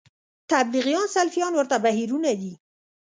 تبلیغیان سلفیان ورته بهیرونه دي